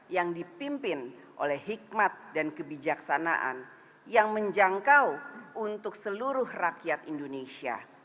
yang dipimpin oleh hikmat dan kebijaksanaan yang menjangkau untuk seluruh rakyat indonesia